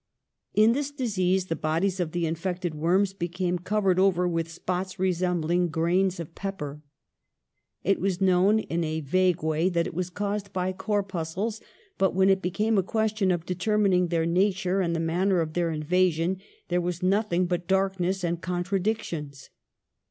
In this disease the bodies of the infected worms be came covered over with spots resembling grains of pepper. It was known in a vague way that it was caused by corpuscles, but, when it be came a question of determining their nature and the manner of their invasion, there was nothing but darkness and contradictions.